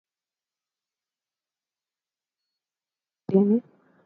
akiba ya fedha za kigeni inatumika kulipa madeni